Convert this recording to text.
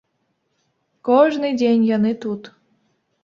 Кожны дзень яны тут.